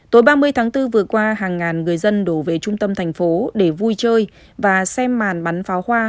tối ba mươi tháng bốn vừa qua hàng ngàn người dân đổ về trung tâm thành phố để vui chơi và xem màn bắn pháo hoa